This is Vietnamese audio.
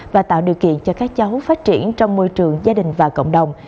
và tạo điều kiện cho các cháu phát triển trong môi trường gia đình và cộng đồng